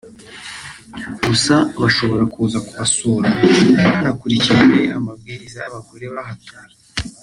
gusa bashobora kuza kubasura banakurikije amabwiriza y’abagore bahatuye